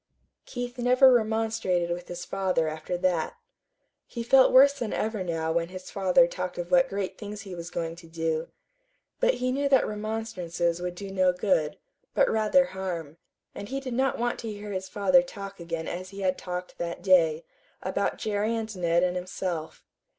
Keith never remonstrated with his father after that. He felt worse than ever now when his father talked of what great things he was going to do; but he knew that remonstrances would do no good, but rather harm; and he did not want to hear his father talk again as he had talked that day, about Jerry and Ned and himself.